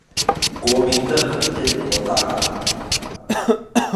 國民政府建國大綱